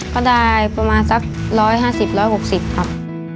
ก็ได้ประมาณสัก๑๕๐๑๖๐ครับ